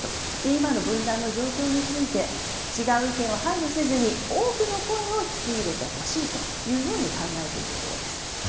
今の分断の状況について違う意見を排除せずに多くの声を聞き入れてほしいと考えているそうです。